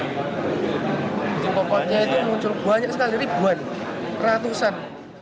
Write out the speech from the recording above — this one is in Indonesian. pokoknya itu muncul banyak sekali ribuan ratusan